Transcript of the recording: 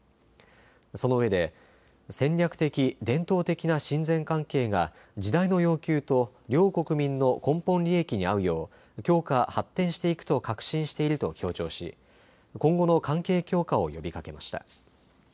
そのうえで戦略的、伝統的な親善関係が時代の要求と両国民の根本利益に合うよう強化・発展していくと確信していると強調し今後の関係強化を呼びかけました。